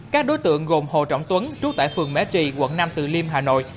các đối tượng gồm hồ trọng tuấn trú tại phường mễ trì quận năm từ liêm hà nội